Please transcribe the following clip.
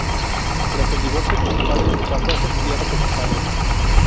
Tras el divorcio de sus padres, pasó a ser criado por su padre.